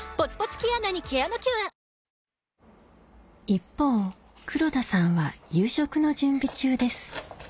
一方黒田さんは夕食の準備中です